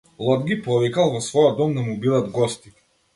Лот ги повикал во својот дом да му бидат гости.